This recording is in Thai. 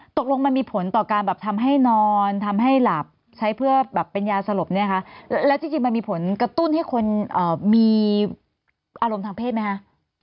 ตกลงมันมีผลต่อการแบบทำให้นอนทำให้หลับใช้เพื่อแบบเป็นยาสลบเนี่ยคะแล้วจริงมันมีผลกระตุ้นให้คนมีอารมณ์ทางเพศไหมคะ